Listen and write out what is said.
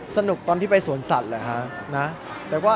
สนุกตอนที่ไปสวนสัตว์